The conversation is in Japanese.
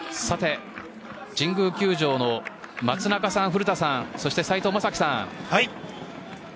神宮球場の松中さん、古田さんそして斎藤雅樹さん。